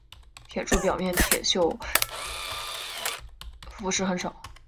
铁柱表面铁锈腐蚀很少。